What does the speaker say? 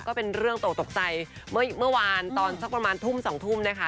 ก็เป็นเรื่องตกตกใจเมื่อวานตอนสักประมาณทุ่มสองทุ่มนะคะ